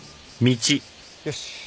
よし。